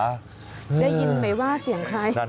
ได้ยินไหมว่าเสียงใคร